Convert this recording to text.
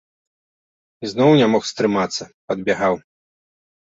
Ізноў не мог стрымацца, падбягаў.